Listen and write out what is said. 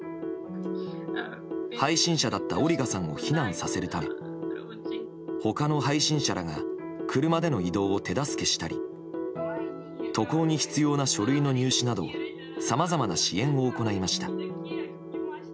配信者だったオリガさんを避難させるため他の配信者らが車での移動を手助けしたり渡航に必要な書類の入手などさまざまな支援を行いました。